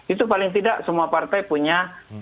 itu paling tidak semua partai punya